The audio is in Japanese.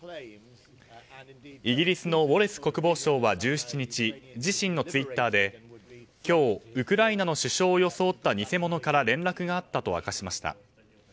イギリスのウォレス国防相は１７日自身のツイッターで今日、ウクライナの首相を装った偽者から連絡があったと明かしました。